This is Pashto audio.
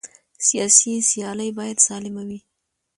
سیاسي سیالۍ باید سالمه وي